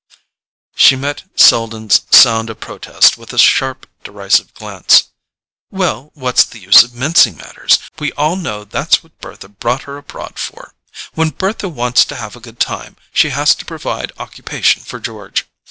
She met Selden's sound of protest with a sharp derisive glance. "Well, what's the use of mincing matters? We all know that's what Bertha brought her abroad for. When Bertha wants to have a good time she has to provide occupation for George.